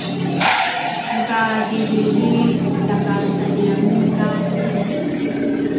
lu kabibilrili laka saniange ka sinsi